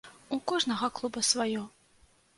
У кожнага клуба сваё.